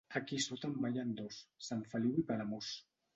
Aquí sota en ballen dos: Sant Feliu i Palamós.